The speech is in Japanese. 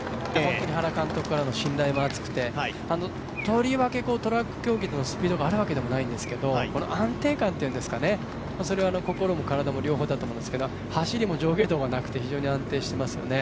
原監督からの信頼も厚くてとりわけトラック競技のスピードがあるわけでもないんですけど安定感というのですか、それは心も体も両方だと思うんですけど、走りも非常に安定していますよね。